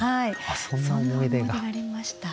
そんな思い出がありました。